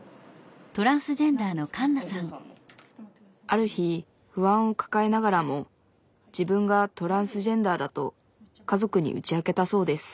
ある日不安を抱えながらも自分がトランスジェンダーだと家族に打ち明けたそうです。